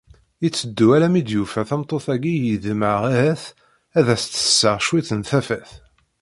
Iteddu alammi d-yufa tameṭṭut-agi i yeḍmeɛ ah-at ad as-d-tessaɣ cwiṭ n tafat.